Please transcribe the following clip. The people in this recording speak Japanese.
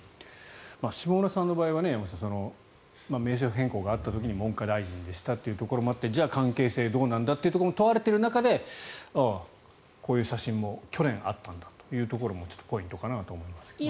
下村さんの場合は名称変更があった時に文科大臣でしたというところもあってじゃあ関係性がどうなんだというところが問われている中でこういう写真も去年あったんだというところもちょっとポイントかなと思いますけど。